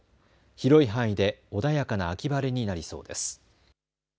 広い範囲で穏やかな秋晴れになりそうです。